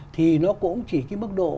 thì nó cũng chỉ cái mức độ